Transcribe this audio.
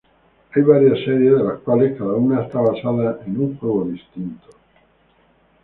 Hay varias series, de las cuales cada una está basada en un juego distinto.